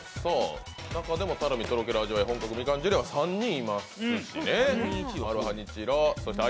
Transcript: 中でもたらみ、とろける味わい本格みかんジュレは３人いますしね。